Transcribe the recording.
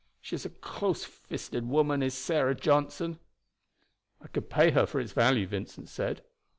She is a close fisted woman is Sarah Johnson." "I could pay her for its value," Vincent said.